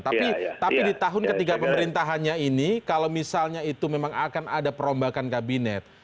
tapi di tahun ketiga pemerintahannya ini kalau misalnya itu memang akan ada perombakan kabinet